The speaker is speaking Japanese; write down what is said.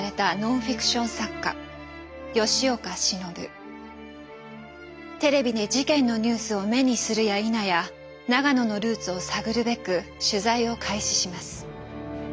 男にひかれたテレビで事件のニュースを目にするやいなや永野のルーツを探るべく取材を開始します。